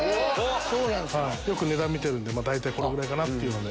よく値段見てるんで大体このぐらいかなっていう。